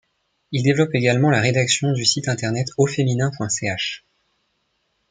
Il développe également la rédaction du site internet aufeminin.ch.